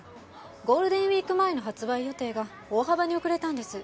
ゴールデンウィーク前の発売予定が大幅に遅れたんです。